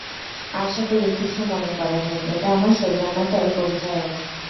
আশা করি কিছু মনে করেননি, এটা আমার সৌজন্যতার পরিচায়ক!